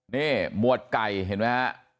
นี่หมวดไก่เห็นไหมฮะ